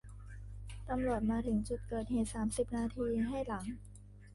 ตำรวจมาถึงจุดเกิดเหตุสามสิบนาทีให้หลัง